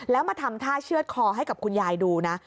แล้วมาทำท่าเชื่อดคอให้กับคุณยายดูนะ